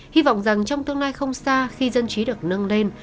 hy vọng rằng trong tương lai không xa khi dân trí được nâng lên